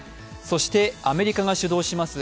そしてアメリカが主導します